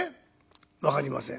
「分かりません」。